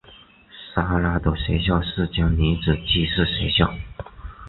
莎拉的学校是间女子寄宿学校。